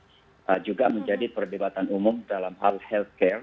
juga menjadi perdebatan umum dalam hal healthcare